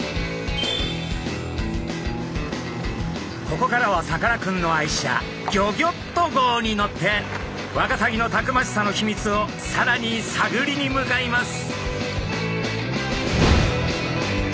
ここからはさかなクンの愛車ギョギョッと号に乗ってワカサギのたくましさの秘密をさらに探りに向かいます。